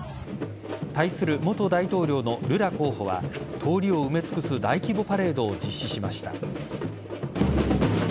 対する、元大統領のルラ候補は通りを埋め尽くす大規模パレードを実施しました。